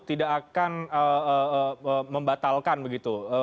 tidak akan membatalkan begitu